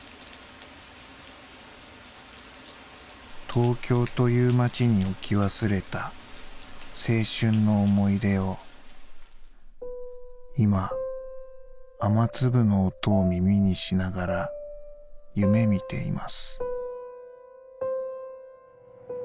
「トーキョーという街に置き忘れた青春の思い出を今雨粒の音を耳にしながら夢見ています」。